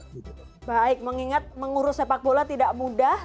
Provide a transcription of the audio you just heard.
baik mengingat mengurus sepak bola tidak mudah